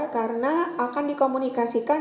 karena akan dikomunikasikan